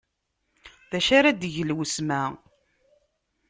Acu ara d-teg lwesma?